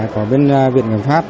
của bên viện nghiệm pháp